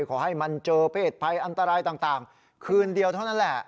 ขอให้มันเจอเพศภัยอันตรายต่างคืนเดียวเท่านั้นแหละ